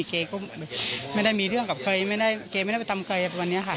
เก๋ก็ไม่ได้มีเรื่องกับเคยไม่ได้เก๋ไม่ได้ไปทำเคยแบบวันนี้ค่ะ